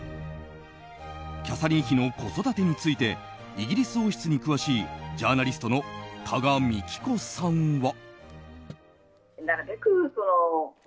キャサリン妃の子育てについてイギリス王室に詳しいジャーナリストの多賀幹子さんは。